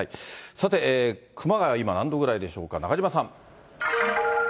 さて、熊谷は今、何度ぐらいでしょうか、中島さん。